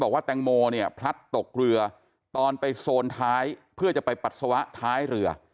บอกว่าแตงโมเนี่ยพลัดตกเรือตอนไปโซนท้ายเพื่อจะไปปัสสาวะท้ายเรือ